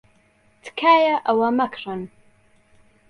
تکایە ئەوە مەکڕن.